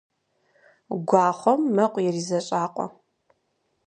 Гуахъуэм мэкъу иризэщӀакъуэ.